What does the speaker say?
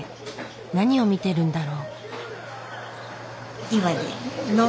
何を見てるんだろう。